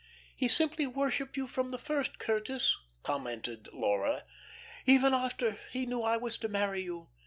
"He simply worshipped you from the first, Curtis," commented Laura. "Even after he knew I was to marry you.